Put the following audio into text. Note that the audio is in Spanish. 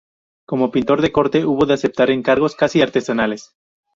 Como pintor de corte hubo de aceptar encargos casi artesanales.